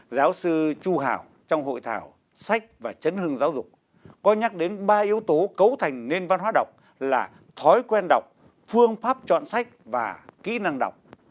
giáo sư chu hảo trong hội thảo sách và chấn hương giáo dục có nhắc đến ba yếu tố cấu thành nền văn hóa đọc là thói quen đọc phương pháp chọn sách và kỹ năng đọc